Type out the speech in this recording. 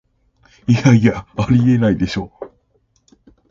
いやいや、ありえないでしょ